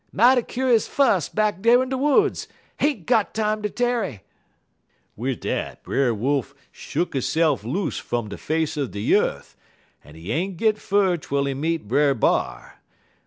"'Mighty kuse fuss back dar in de woods! Ain't got time ter tarry!' "Wid dat, Brer Wolf shuck hisse'f loose fum de face er de yeth, en he ain't git fur twel he meet Brer B'ar.